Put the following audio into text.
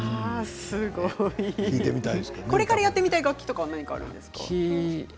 これからやってみたい楽器とかはあるんですか？